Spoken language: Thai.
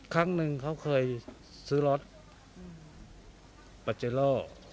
ครั้งหนึ่งเขาเคยซื้อรถปาเจโร่